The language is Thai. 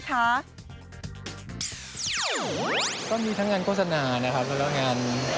ก็มีทั้งงานโฆษณาก็ลักษณะเวลางาน